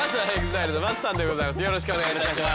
よろしくお願いします。